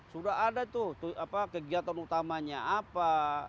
sudah ada tuh kegiatan utamanya apa